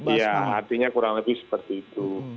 iya artinya kurang lebih seperti itu